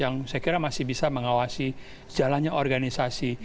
yang saya kira masih bisa mengawasi jalannya organisasi